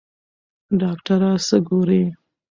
ډاکټره څه ګوري؟